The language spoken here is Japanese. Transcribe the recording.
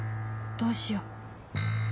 どうしよう